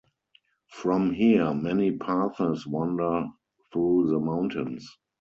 From here many paths wander through the mountains.